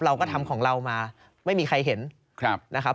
เราก็ทำของเรามาไม่มีใครเห็นนะครับ